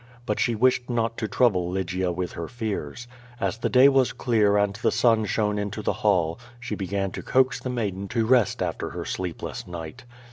But she wished not to troubk^ Lygia with her fears. As the day was clear and the sun shone into the liall, she began to coax the maiden to rest after her sleepless night.